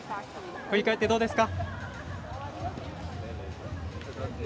振り返ってどうですか？